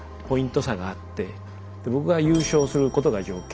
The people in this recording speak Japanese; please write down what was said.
で僕が優勝することが条件。